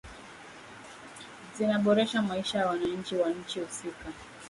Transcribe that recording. zinaboresha maisha ya wananchi wa nchi husika